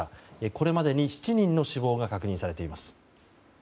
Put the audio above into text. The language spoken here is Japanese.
これまでに７人の死亡が確認されています。